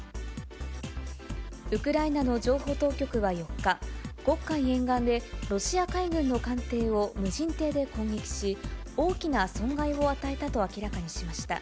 ウクライナの情報当局は４日、黒海沿岸でロシア海軍の艦艇を無人艇で攻撃し、大きな損害を与えたと明らかにしました。